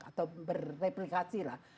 atau bereplikasi lah